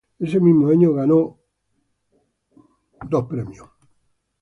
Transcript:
Ese mismo año, ganó el y el entre otros premios.